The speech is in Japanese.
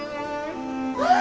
ああ！